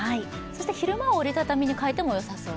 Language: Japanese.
昼間は折りたたみに変えてもよさそう。